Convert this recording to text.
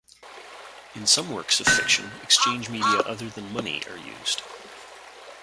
In some works of fiction, exchange media other than money are used.